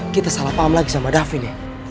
kita salah paham lagi sama davin ya